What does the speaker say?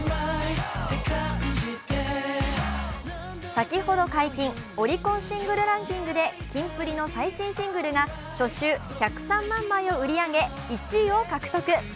先ほど解禁、オリコンシングルランキングでキンプリの最新シングルが初週１０３万枚を売り上げ１位を獲得。